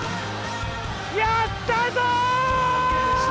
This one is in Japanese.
やったぞ！